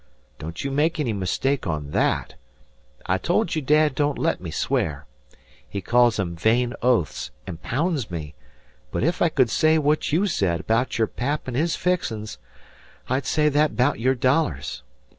Don't you make any mistake on that! I told ye dad don't let me swear. He calls 'em vain oaths, and pounds me; but ef I could say what you said 'baout your pap an' his fixin's, I'd say that 'baout your dollars.